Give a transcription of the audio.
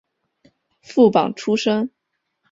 副榜出身。